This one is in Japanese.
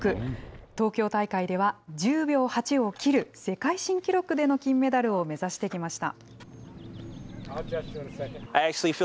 東京大会では、１０秒８を切る世界新記録での金メダルを目指してきました。